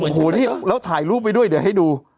โอ้โหนี่แล้วถ่ายรูปไปด้วยเดี๋ยวให้ดู